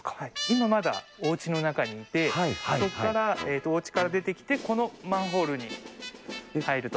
今まだお家の中にいてそこからお家から出てきてこのマンホールに入ると思います。